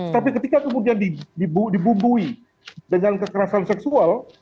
tapi ketika kemudian dibumbui dengan kekerasan seksual